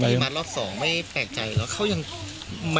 สวัสดีครับ